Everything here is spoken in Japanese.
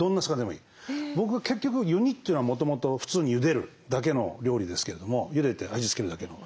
僕は結局湯煮というのはもともと普通にゆでるだけの料理ですけれどもゆでで味付けるだけの。